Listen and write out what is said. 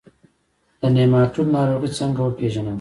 د نیماټوډ ناروغي څنګه وپیژنم؟